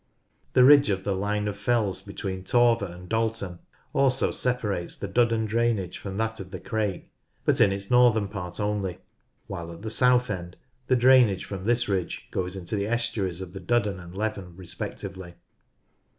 The ridge of the line of fells between Torver and Dalton also separates the Duddon drainage from that of the Crake, but in its northern part only, while at the south end the drainage from this rid^e s;oes into the estuaries of the Duddon and Leven respectively.